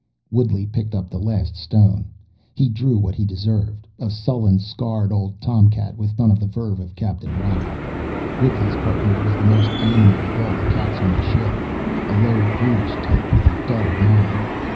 _ Woodley picked up the last stone. He drew what he deserved a sullen, scared old tomcat with none of the verve of Captain Wow. Woodley's Partner was the most animal of all the cats on the ship, a low, brutish type with a dull mind.